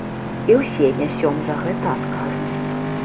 І ўсе нясём за гэта адказнасць.